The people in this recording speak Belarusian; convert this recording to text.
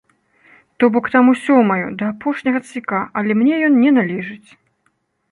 То бок там усё маё, да апошняга цвіка, але мне ён не належыць.